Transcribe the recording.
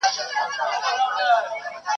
نه وېرېږې له آزاره د مرغانو !.